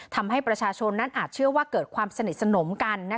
ทำให้ประชาชนนั้นอาจเชื่อว่าเกิดความสนิทสนมกัน